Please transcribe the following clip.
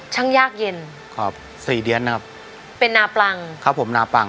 ยากเย็นครับสี่เดือนนะครับเป็นนาปลังครับผมนาปลัง